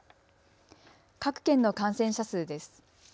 各県の感染者数です。